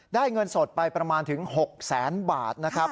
เงินสดไปประมาณถึง๖แสนบาทนะครับ